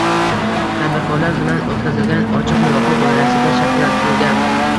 Tadbirkorlar bilan o‘tkazilgan ochiq muloqot doirasida shakllantirilgan